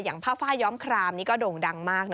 อย่างผ้าฟ้าย้อมโครามนี่ก็โด่งดังมาก